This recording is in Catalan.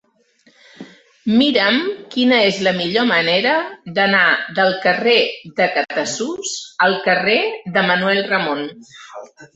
Mira'm quina és la millor manera d'anar del carrer de Catasús al carrer de Manuel Ramon.